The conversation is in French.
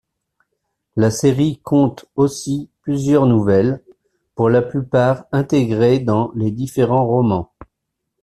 La série compte aussi plusieurs nouvelles, pour la plupart intégrées dans les différents romans.